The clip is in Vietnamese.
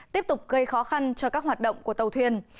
tiếp tục gây khó khăn cho các hoạt động của tàu thuyền